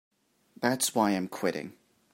That's why I'm quitting.